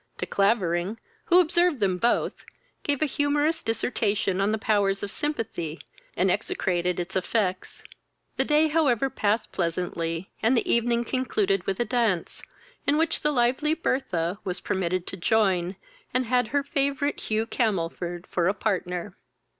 De Clavering, who observed them both, gave a humorous dissertation on the powers of sympathy, and execrated its effects. The day however passed pleasantly, and the evening concluded with a dance, in which the lively Bertha was permitted to join, and had her favourite Hugh Camelford for a partner.